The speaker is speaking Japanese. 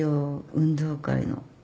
運動会の。